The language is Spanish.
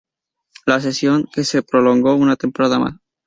La cesión que se prolongó una temporada más.